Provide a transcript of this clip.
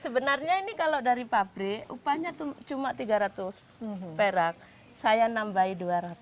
sebenarnya ini kalau dari pabrik upahnya cuma tiga ratus perak saya nambah dua ratus